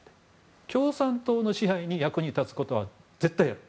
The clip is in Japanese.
共産党の支配に役に立つことは絶対にやる。